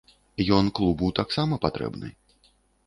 Ён клубу таксама патрэбны.